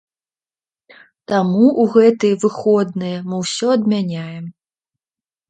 Таму ў гэтыя выходныя мы ўсё адмяняем.